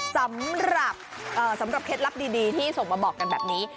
สำหรับสำหรับเคล็ดลับดีที่ส่งมาบอกกันแบบนี้